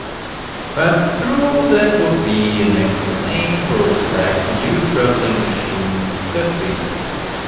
Budd thought that would be an excellent name for a sleek new traveling machine-"Zephyr".